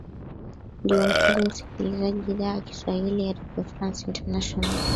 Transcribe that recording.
ndio mpenzi msikilizaji idhaa ya kiswahili ya redio france international